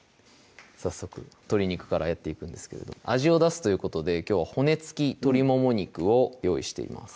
早速鶏肉からやっていくんですけれど味を出すということできょうは骨付き鶏もも肉を用意しています